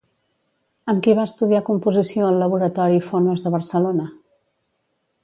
Amb qui va estudiar composició al Laboratori Phonos de Barcelona?